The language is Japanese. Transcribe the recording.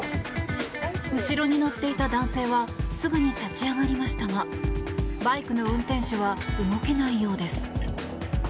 後ろに乗っていた男性はすぐに立ち上がりましたがバイクの運転手は動けないようです。